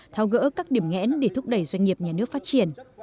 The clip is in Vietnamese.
tháo gỡ các điểm nghẽn để thúc đẩy doanh nghiệp nhà nước phát triển